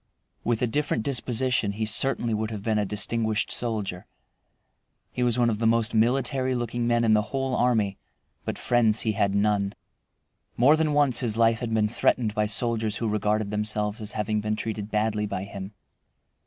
With a different disposition he certainly would have been a distinguished soldier. He was one of the most military looking men in the whole army, but friends he had none. More than once his life had been threatened by soldiers who regarded themselves as having been treated badly by him.